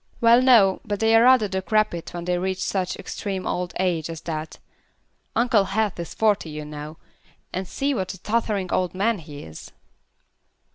"Well, no, but they are rather decrepit when they reach such extreme old age as that Uncle Heath is forty you know, and see what a tottering old man he is."